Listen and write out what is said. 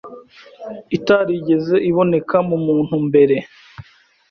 itarigeze iboneka mu muntu mbere